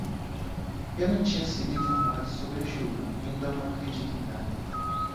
Eu não tinha sido informado sobre a chuva, então não acredito em nada.